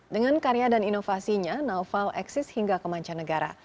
dengan karya dan inovasinya naufal eksis hingga kemanca negara